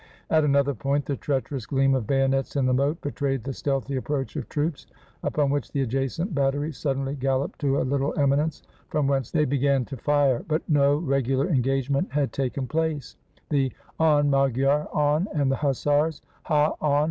At another point, the treacherous gleam of bayonets in the moat betrayed the stealthy approach of troops, upon which the adjacent battery suddenly galloped to a little eminence, from whence they began to fire. But no regu lar engagement had taken place; the "On, Magyar ! on !" and the hussars' "Ha! on!"